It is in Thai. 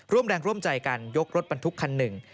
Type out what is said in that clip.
ร่วมแรงร่วมใจกันยกรถบรรทุกคันหนึ่ง